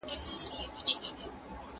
په لاسو کي د اغیار لکه پېلوزی